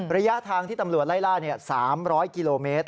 ระยะทางที่ตำรวจไล่ล่า๓๐๐กิโลเมตร